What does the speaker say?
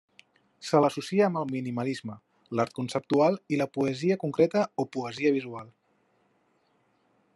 Se l'associa amb el Minimalisme, l'Art Conceptual i la poesia concreta o poesia visual.